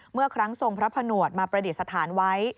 เมื่อครั้งทรงพระผนวดมาประดิษฐานไว้